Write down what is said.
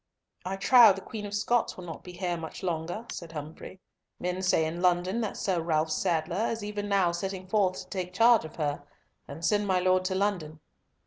"I trow the Queen of Scots will not be here much longer," said Humfrey. "Men say in London that Sir Ralf Sadler is even now setting forth to take charge of her, and send my Lord to London."